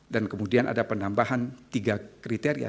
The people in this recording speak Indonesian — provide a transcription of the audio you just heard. dan kemudian ada penambahan tiga kriteria